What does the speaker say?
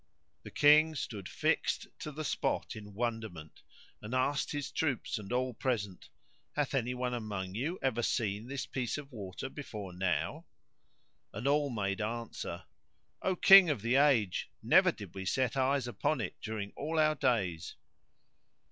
The King stood fixed to the spot in wonderment and asked his troops and all present, "Hath any one among you ever seen this piece of water before now?" and all made answer, "O King of the age never did we set eyes upon it during all our days."